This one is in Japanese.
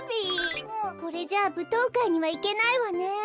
これじゃあぶとうかいにはいけないわね。